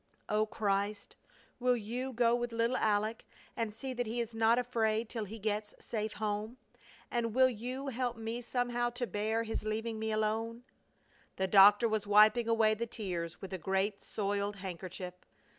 "Oh Christ, will You go with little Aleck and see that he is not afraid till he gets safe home? And will You help me somehow to bear his leaving me alone?" The doctor was wiping away the tears with a great, soiled handkerchief.